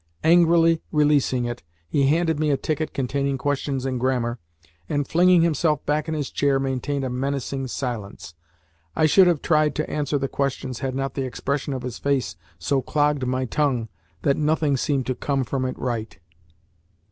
Angrily releasing it, he handed me a ticket containing questions in grammar, and, flinging himself back in his chair, maintained a menacing silence. I should have tried to answer the questions had not the expression of his face so clogged my tongue that nothing seemed to come from it right.